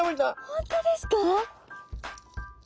本当ですか？